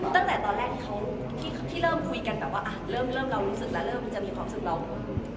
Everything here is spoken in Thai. ตั้งแต่ตอนแรกที่เริ่มคุยกันแบบว่าเริ่มเรารู้สึกแล้วเริ่มที่จะมีความรู้สึกเรา